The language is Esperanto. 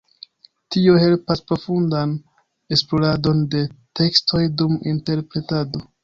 Tio helpas profundan esploradon de tekstoj dum interpretado.